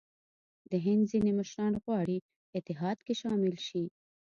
د هند ځیني مشران غواړي اتحاد کې شامل شي.